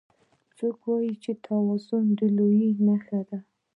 څوک وایي چې تواضع د لویۍ نښه ده